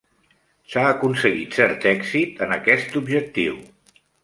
S'ha aconseguit cert èxit en aquest objectiu.